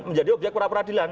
menjadi objek peradilan